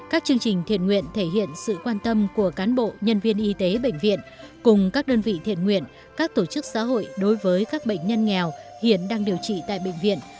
các chương trình thiện nguyện thể hiện sự quan tâm của cán bộ nhân viên y tế bệnh viện cùng các đơn vị thiện nguyện các tổ chức xã hội đối với các bệnh nhân nghèo hiện đang điều trị tại bệnh viện